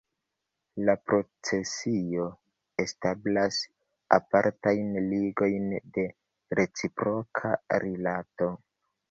La procesio establas apartajn ligojn de reciproka Rilato.